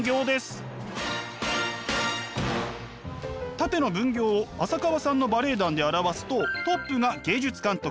縦の分業を浅川さんのバレエ団で表すとトップが芸術監督